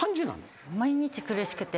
毎日苦しくて。